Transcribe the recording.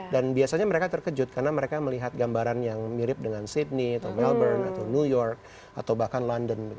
dan biasanya mereka terkejut karena mereka melihat gambaran yang mirip dengan sydney melbourne new york atau bahkan london